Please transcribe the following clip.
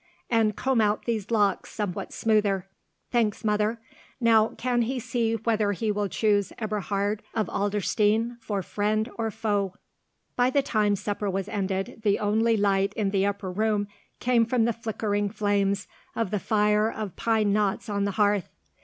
And comb out these locks somewhat smoother. Thanks, mother. Now can he see whether he will choose Eberhard of Adlerstein for friend or foe." By the time supper was ended, the only light in the upper room came from the flickering flames of the fire of pine knots on the hearth.